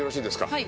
はい。